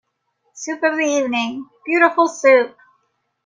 Soup of the evening, beautiful soup!